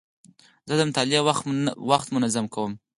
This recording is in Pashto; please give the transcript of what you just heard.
زه د مطالعې وخت منظم کوم.